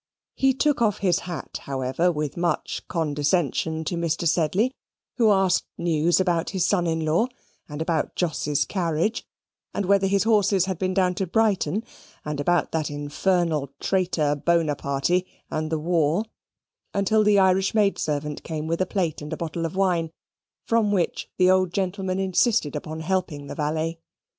He took off his hat, however, with much condescension to Mr. Sedley, who asked news about his son in law, and about Jos's carriage, and whether his horses had been down to Brighton, and about that infernal traitor Bonaparty, and the war; until the Irish maid servant came with a plate and a bottle of wine, from which the old gentleman insisted upon helping the valet.